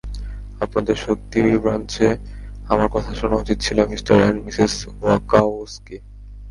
আপনাদের সত্যিই ওই ব্রাঞ্চে আমার কথা শোনা উচিত ছিল, মিস্টার অ্যান্ড মিসেস ওয়াকাওস্কি।